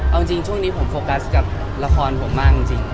เอาจริงช่วงนี้ผมโฟกัสกับละครผมมากจริง